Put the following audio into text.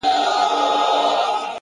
لوړ اخلاق دروازې پرانیزي،